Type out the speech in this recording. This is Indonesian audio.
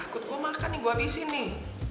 eh siapa takut gue makan nih gue habisin nih